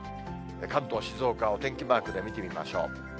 関東、静岡をお天気マークで見てみましょう。